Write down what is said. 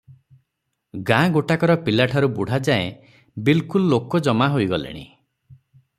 ଗାଁ ଗୋଟାକର ପିଲାଠାରୁ ବୁଢ଼ାଯାଏ ବିଲକୁଲ ଲୋକ ଜମା ହୋଇଗଲେଣି ।